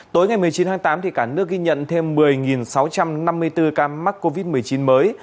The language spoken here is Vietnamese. tối ngày một mươi chín tháng tám cả nước ghi nhận thêm một mươi sáu trăm năm mươi bốn ca mắc covid một mươi chín mới